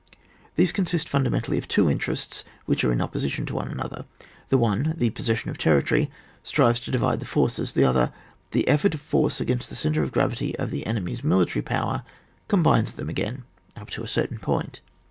These consist funda mentally of two interests which are in opposition to each other; the one, tJ^ posseeeion of territory strives to divide the forces; the other, the effort of force againet the centre of gravity of the enemy* e military power, combines them again up to a cer^ tain point.